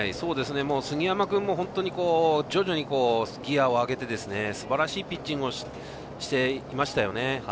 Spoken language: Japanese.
杉山君も本当に徐々にギヤを上げてすばらしいピッチングをしていましたよね。